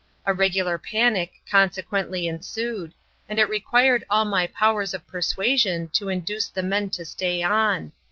A regular panic consequently ensued, and it required all my powers of persuasion to induce the men to stay on.